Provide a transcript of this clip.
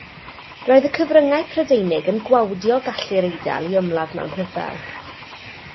Roedd y cyfryngau Prydeinig yn gwawdio gallu'r Eidal i ymladd mewn rhyfel.